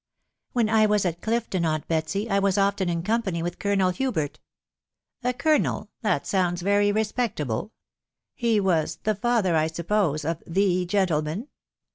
" When I was at Clifton, aunt Betsy, I was often in com pany with Colonel Hubert ••.." "A colonel? .... That sounds very respectable; he was the father, I suppose, of the gentleman